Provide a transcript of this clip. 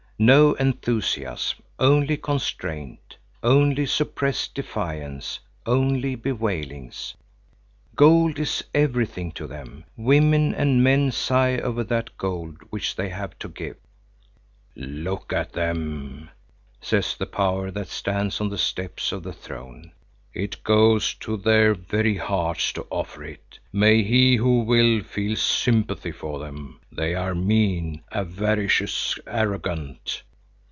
No enthusiasm, only constraint, only suppressed defiance, only bewailings. Gold is everything to them, women and men sigh over that gold which they have to give. "Look at them!" says the power that stands on the steps of the throne. "It goes to their very hearts to offer it. May he who will feel sympathy for them! They are mean, avaricious, arrogant.